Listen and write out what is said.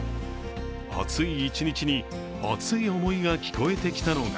暑い一日に、熱い思いが聞こえてきたのが